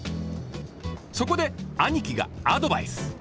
そこで兄貴がアドバイス！